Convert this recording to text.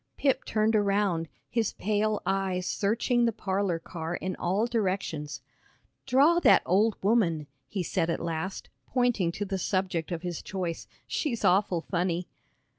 Pip turned around, his pale eyes searching the parlor car in all directions. "Draw that old woman," he said at last, pointing to the subject of his choice; "she's awful funny."